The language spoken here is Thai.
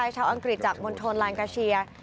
ชาวอังกฤษจากมณฑลลานกาเชีย